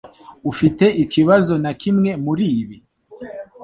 Ufite ikibazo na kimwe muribi?